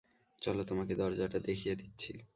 চলো তোমাকে দরজাটা দেখিয়ে দিচ্ছি।